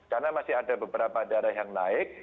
karena masih ada beberapa daerah yang naik